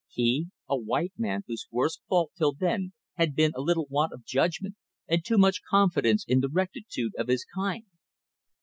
He, a white man whose worst fault till then had been a little want of judgment and too much confidence in the rectitude of his kind!